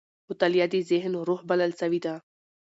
مطالعه د ذهن روح بلل سوې ده.